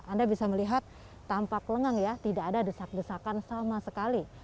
anda bisa melihat tampak lengang ya tidak ada desak desakan sama sekali